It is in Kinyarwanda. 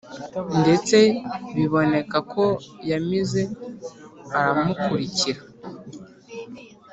Ndetse biboneka ko yamize aramukurikira